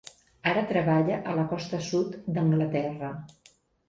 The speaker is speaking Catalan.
Ara treballa a la costa sud d’Anglaterra.